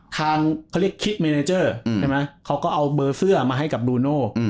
ทางเขาเรียกคิกเมเนเจอร์ใช่ไหมเขาก็เอาเบอร์เสื้อมาให้กับบลูโน่